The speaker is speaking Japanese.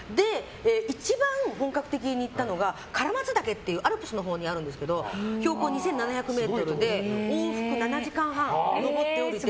一番本格的に行ったのがアルプスのほうにある標高２７００ｍで往復７時間半、登って下りて。